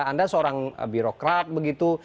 anda seorang birokrat begitu